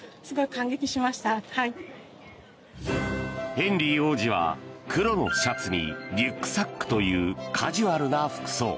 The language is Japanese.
ヘンリー王子は黒のシャツにリュックサックというカジュアルな服装。